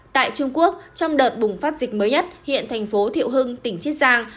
tại trung quốc trong đợt bùng phát dịch mới nhất hiện thành phố thiệu hưng tỉnh chiết giang